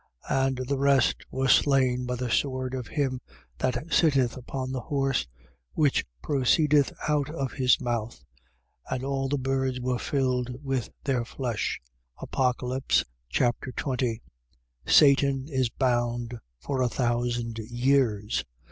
19:21. And the rest were slain by the sword of him that sitteth upon the horse, which proceedeth out of his mouth: and all the birds were filled with their flesh. Apocalypse Chapter 20 Satan is bound for a thousand years.